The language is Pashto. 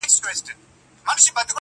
د شرابو خُم پر سر واړوه یاره